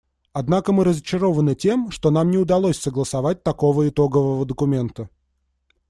Однако мы разочарованы тем, что нам не удалось согласовать такого итогового документа.